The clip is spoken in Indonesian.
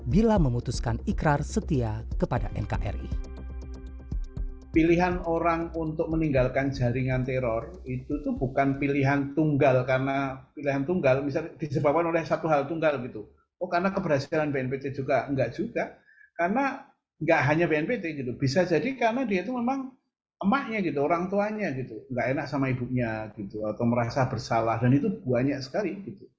bila memutuskan ikrar setia kepada nkri